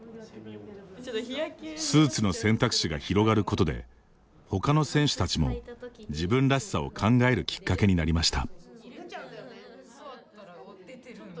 スーツの選択肢が広がることでほかの選手たちも自分らしさを考えるきっかけになりました。